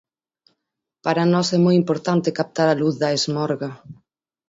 Para nós é moi importante captar a luz de "A Esmorga".